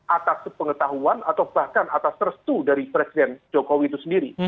atas pengetahuan atau bahkan atas restu dari presiden jokowi itu sendiri